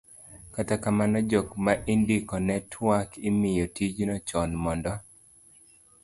kata kamano, jok ma indikone twak imiyo tijno chon mondo